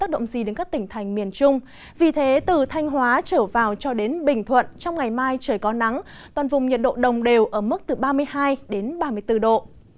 bình thuận trong ngày mai trời có nắng toàn vùng nhiệt độ đồng đều ở mức từ ba mươi hai đến ba mươi bốn độ